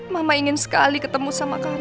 mama ingin sekali ketemu sama kami